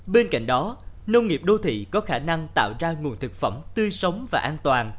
bên cạnh đó nông nghiệp đô thị có khả năng tạo ra nguồn thực phẩm tươi sống và an toàn